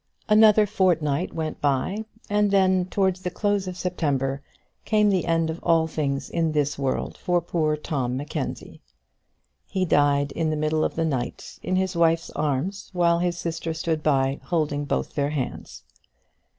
Another fortnight went by, and then, towards the close of September, came the end of all things in this world for poor Tom Mackenzie. He died in the middle of the night in his wife's arms, while his sister stood by holding both their hands.